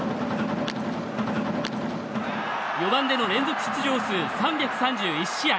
４番での連続出場数３３１試合。